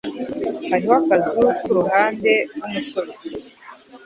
Hariho akazu kuruhande rwumusozi